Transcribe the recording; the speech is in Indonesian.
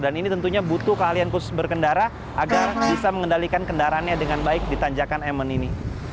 dan ini tentunya butuh keahlian khusus berkendara agar bisa mengendalikan kendaranya dengan baik di tanjakan emen ini